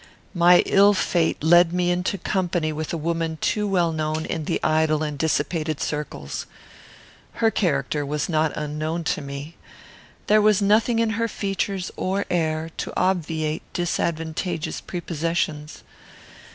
"My ill fate led me into company with a woman too well known in the idle and dissipated circles. Her character was not unknown to me. There was nothing in her features or air to obviate disadvantageous prepossessions.